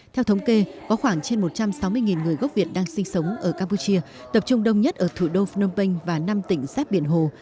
theo thống kê có khoảng trên một trăm sáu mươi người gốc việt đang sinh sống ở campuchia tập trung đông nhất ở thủ đô phnom penh và năm tỉnh sát biển hồ